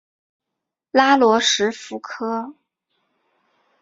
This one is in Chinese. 拉罗什富科。